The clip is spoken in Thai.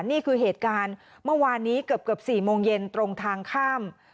นี่คือเหตุการณ์เมื่อวานนี้เกือบ๔โมงเย็นตรงทางข้าม